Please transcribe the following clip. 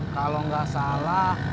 kalau gak salah